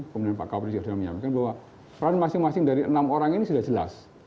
kemudian pak kapolri sudah menyampaikan bahwa peran masing masing dari enam orang ini sudah jelas